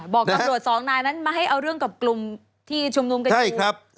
บอกตำรวจสองนายนั้นมาให้เอาเรื่องกับกลุ่มที่ชุมนุมกันอยู่